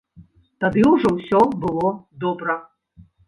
Тады ўжо ўсё было добра.